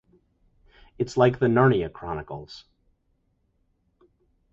It's like the Narnia chronicles.